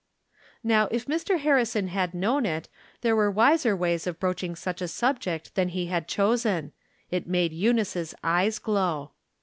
Now, if Mr. Harrison had known it, there were wiser ways of broaching such a subject than he had chosen ; it made Eunice's eyes glow.